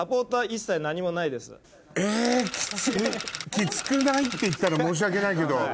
きつくない？って言ったら申し訳ないけど。